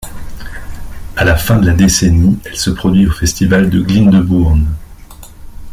À la fin de la décennie, elle se produit au Festival de Glyndebourne.